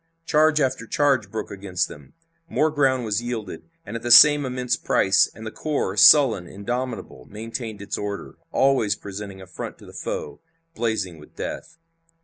Charge after charge broke against them. More ground was yielded, but at the same immense price, and the corps, sullen, indomitable, maintained its order, always presenting a front to the foe, blazing with death.